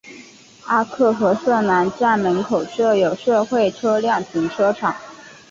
阿克和瑟南站门口设有社会车辆停车场。